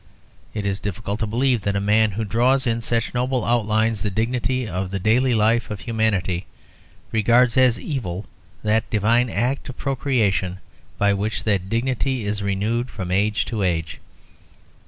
It is difficult to believe that a man who draws in such noble outlines the dignity of the daily life of humanity regards as evil that divine act of procreation by which that dignity is renewed from age to age.